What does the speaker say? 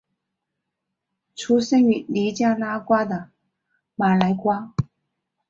出生于尼加拉瓜的马拿瓜。